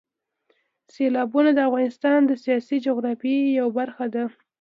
سیلابونه د افغانستان د سیاسي جغرافیې یوه برخه ده.